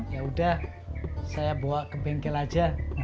ya udah saya bawa ke bengkel aja